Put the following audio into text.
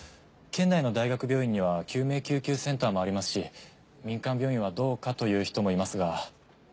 県内の大学病院には救命救急センターもありますし民間病院はどうかと言う人もいますが。